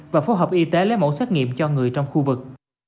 và phối hợp y tế lấy mẫu xét nghiệm cho người trong khu vực